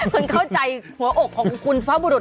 คนเข้าใจหัวอกของคุณสุภาพบุรุษ